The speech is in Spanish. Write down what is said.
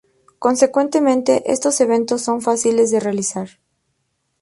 Consecuentemente, estos eventos son fáciles de realizar.